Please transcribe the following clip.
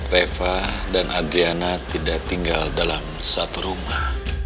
reva dan adriana tidak tinggal dalam satu rumah